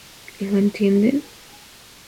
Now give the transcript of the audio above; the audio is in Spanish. Lo entienden?